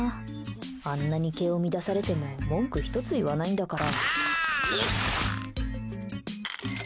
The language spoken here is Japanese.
あんなに毛を乱されても文句の１つ言わないんだから。